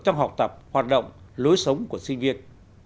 trong học tập hoạt động lối sống của sinh viên